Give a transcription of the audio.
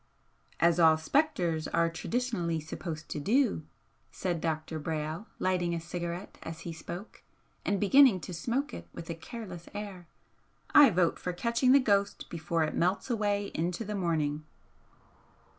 "As all spectres are traditionally supposed to do!" said Dr. Brayle, lighting a cigarette as he spoke and beginning to smoke it with a careless air "I vote for catching the ghost before it melts away into the morning."